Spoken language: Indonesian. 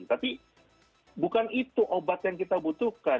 tapi bukan itu obat yang kita butuhkan